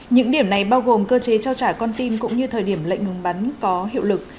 những điểm này bao gồm cơ chế trao trả con tin cũng như thời điểm lệnh ngừng bắn có hiệu lực